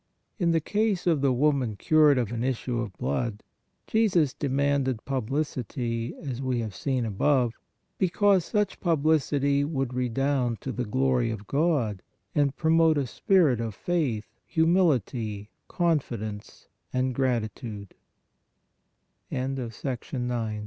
In the case of the woman cured of an issue of blood, Jesus demanded publicity as we have seen above, because such publicity would redound to the glory of God and promote a spirit of faith, humility, con fidence and g